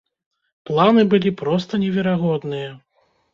Планы былі проста неверагодныя.